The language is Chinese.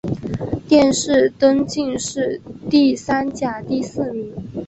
殿试登进士第三甲第四名。